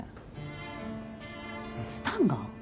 えっスタンガン？